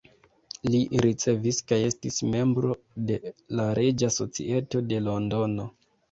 Li ricevis kaj estis membro de la Reĝa Societo de Londono.